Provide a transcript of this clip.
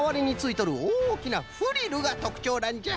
おおきなフリルがとくちょうなんじゃ。